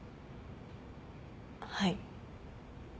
はい。